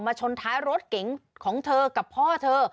ชนท้ายรถเก๋งของเธอกับพ่อเธอ